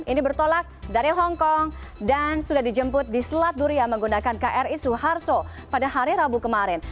ini bertolak dari hongkong dan sudah dijemput di selat durian menggunakan kri suharto pada hari rabu kemarin